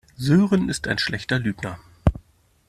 Sören ist ein schlechter Lügner.